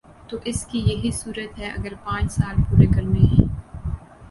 تو اس کی یہی صورت ہے اگر پانچ سال پورے کرنے ہیں۔